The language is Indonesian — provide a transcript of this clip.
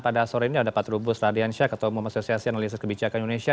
pada sore ini ada pak trubus radiansyah ketua umum asosiasi analisis kebijakan indonesia